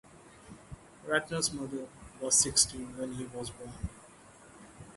Ratner's mother was sixteen when he was born.